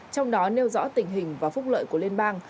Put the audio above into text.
trong đó nêu rõ tình hình và phúc lợi của liên bang